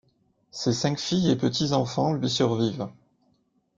Ses cinq filles et petits-enfants lui survivent.